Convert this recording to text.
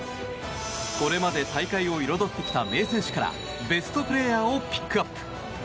これまで大会を彩ってきた名選手からベストプレーヤーをピックアップ！